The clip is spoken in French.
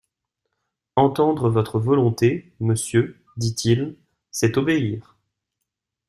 Entendre votre volonté, monsieur, dit-il, c'est obéir.